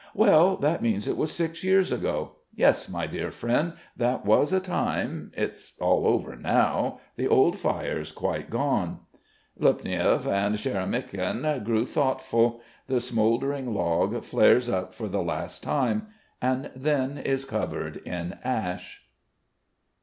"Well, that means it was six years ago. Yes, my dear friend, that was a time. It's all over now. The old fire's quite gone." Lopniev and Sharamykin grew thoughtful. The smouldering log flares up for the last time, and then is covered in ash.